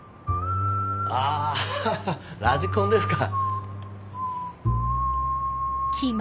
あぁハハラジコンですか。